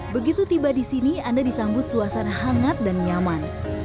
begitu tiba di sini anda disambut suasana hangat dan nyaman